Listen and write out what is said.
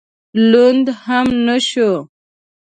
لوند هم نه شوم.